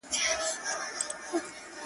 چي په پاڼو د تاریخ کي لوستلې!